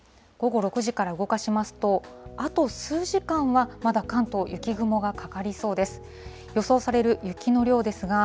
午後６時から動かしますと、あと数時間はまだ関東、雪雲がかかりそうです。